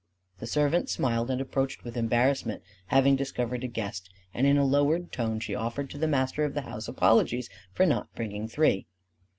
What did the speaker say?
The servant smiled and approached with embarrassment, having discovered a guest; and in a lowered tone she offered to the master of the house apologies for not bringing three.